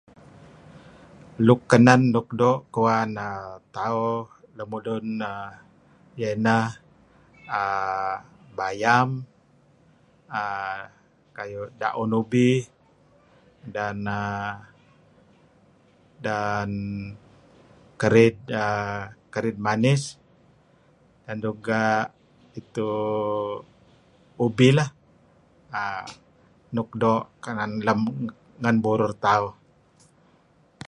Luk kenen luk doo' kuan err tauh lemulun err, ieh ineh err bayam, err kayu' da'un ubih, dan {err...] dan... kerid err kerid manis dan juga itu... ubih lah err nuk doo kenen lem, ngen burur tauh.